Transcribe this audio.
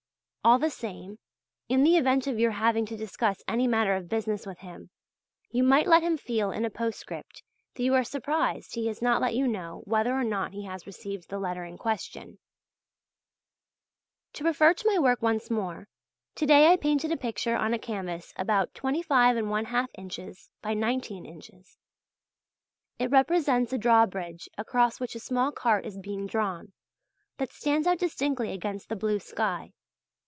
All the same, in the event of your having to discuss any matter of business with him, you might let him feel in a postscript that you are surprised he has not let you know whether or not he has received the letter in question. To refer to my work once more: to day I painted a picture on a canvas about 25½ in. by 19 in. It represents a drawbridge across which a small cart is being drawn, that stands out distinctly against the blue sky.